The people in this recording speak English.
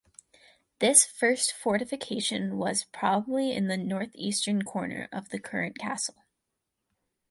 This first fortification was probably in the northeastern corner of the current castle.